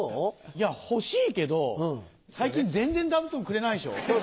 いや欲しいけど最近全然座布団くれないでしょ？